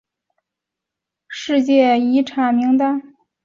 以古都京都的文化财的一部份列入世界遗产名单中。